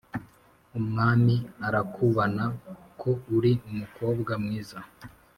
umwami arakubana ko uri umukobwa mwiza"